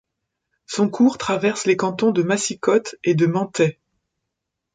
Son cours traverse les cantons de Massicotte et de Manthet.